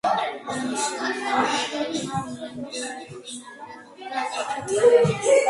მშენებლობა მიმდინარეობდა ხუთი წელი.